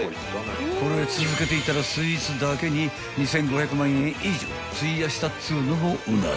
［これ続けていたらスイーツだけに２，５００万円以上費やしたっつうのもうなずける］